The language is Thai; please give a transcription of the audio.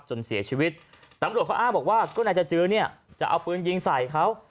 จนเสียชีวิตตำรวจเขาอ้างบอกว่าก็นายจจือเนี่ยจะเอาปืนยิงใส่เขา